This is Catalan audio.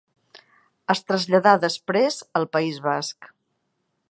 Es traslladà després al País Basc.